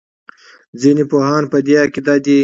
ځینې پوهان په دې عقیده دي.